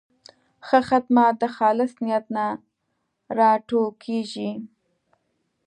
ښه خدمت د خالص نیت نه راټوکېږي.